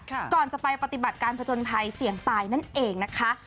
ก่อนจะไปปฏิบัติการผจญภัยเสี่ยงตายนั่นเองนะคะ